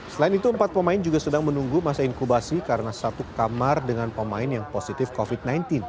selain itu empat pemain juga sedang menunggu masa inkubasi karena satu kamar dengan pemain yang positif covid sembilan belas